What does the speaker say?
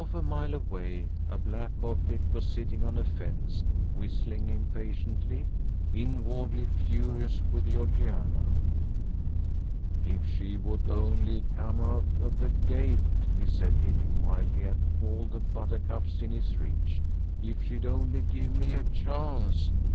Half a mile away a black object was sitting on a fence whistling impatiently, inwardly furious with Georgiana. "If she would only come out of the gate!" he said, hitting wildly at all the buttercups in his reach. "If she'd only give me a chance.